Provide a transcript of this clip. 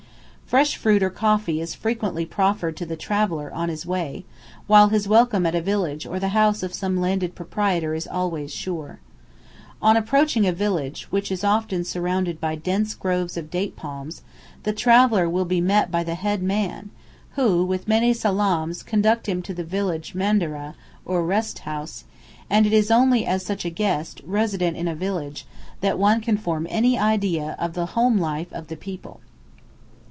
Fresh fruit or coffee is frequently proffered to the traveller on his way, while his welcome at a village or the house of some landed proprietor is always sure. On approaching a village, which is often surrounded by dense groves of date palms, the traveller will be met by the head men, who, with many salaams, conduct him to the village "mandareh," or rest house, and it is only as such a guest, resident in a village, that one can form any idea of the home life of the people. [Illustration: A NILE VILLAGE.